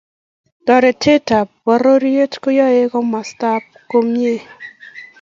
toretet tab bororiet koyae komostab komie